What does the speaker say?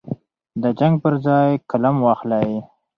د جنګ پر ځای قلم واخلئ.